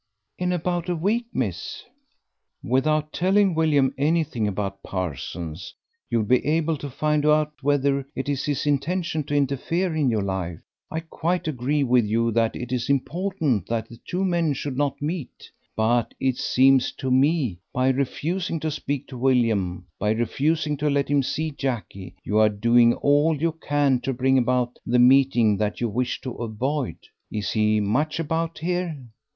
"In about a week, miss." "Without telling William anything about Parsons, you'll be able to find out whether it is his intention to interfere in your life. I quite agree with you that it is important that the two men should not meet; but it seems to me, by refusing to speak to William, by refusing to let him see Jackie, you are doing all you can to bring about the meeting that you wish to avoid. Is he much about here?"